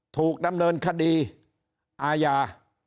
ถูกดำเนินคดีอาญา